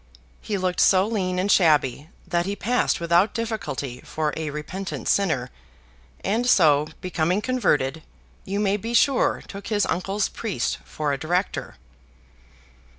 He looked so lean and shabby, that he passed without difficulty for a repentant sinner; and so, becoming converted, you may be sure took his uncle's priest for a director.